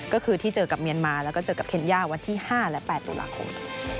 ก็คือที่เจอกับเมียนมาแล้วก็เจอกับเคนย่าวันที่๕และ๘ตุลาคม